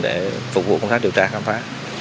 để phục vụ công tác điều tra khám phá